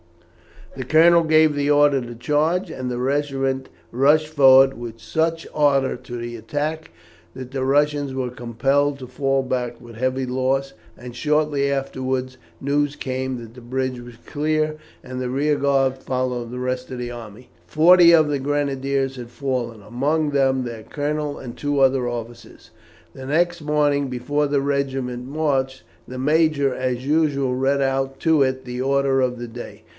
The colonel gave the order to charge, and the regiment rushed forward with such ardour to the attack, that the Russians were compelled to fall back with heavy loss, and shortly afterwards news came that the bridge was clear, and the rear guard followed the rest of the army. Forty of the grenadiers had fallen, among them their colonel and two other officers. The next morning, before the regiment marched, the major as usual read out to it the order of the day.